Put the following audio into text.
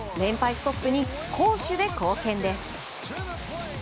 ストップに攻守で貢献です。